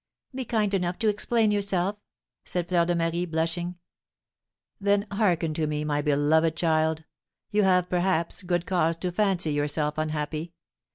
"Be kind enough to explain yourself," said Fleur de Marie, blushing. "Then hearken to me, my beloved child. You have, perhaps, good cause to fancy yourself unhappy.